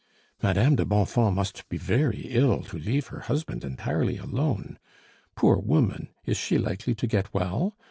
"Madame de Bonfons must be very ill to leave her husband entirely alone. Poor woman! Is she likely to get well?